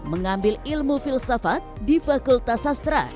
mengambil ilmu filsafat di fakultas sastra